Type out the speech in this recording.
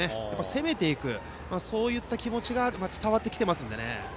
攻めていくという気持ちが伝わってきていますね。